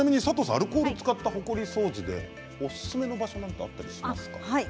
アルコールを使ったほこり掃除でおすすめの場所があったりしますか。